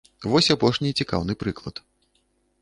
Вось апошні цікаўны прыклад.